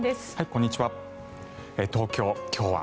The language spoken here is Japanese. こんにちは。